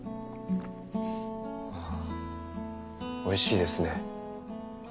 おいしいですね。